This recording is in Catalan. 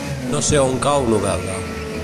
No sé on cau Novelda.